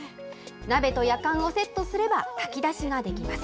鍋とやかんをセットすれば炊き出しができます。